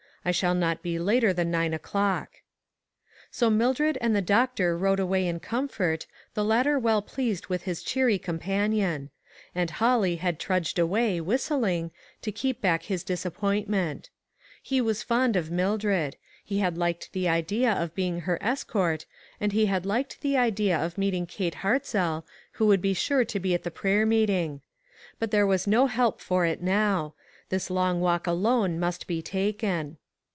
I shall not be later than nine o'clock." So Mildred and the doctor rode away in comfort, the latter well pleased with his cheery companion. And Holly had trudged away, whistling, to keep back his disappoint ment. He was fond of Mildred ; he had liked the idea of being her escort, and he had liked the idea of meeting Kate Hart zell, who would be sure to be at the prayer meeting. But there was no help for it now. This long walk alone must be taken.